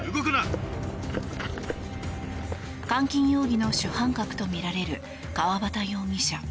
監禁容疑の主犯格とみられる川端容疑者。